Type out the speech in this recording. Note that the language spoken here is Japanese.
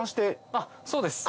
あっそうです。